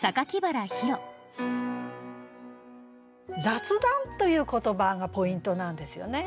「雑談」という言葉がポイントなんですよね。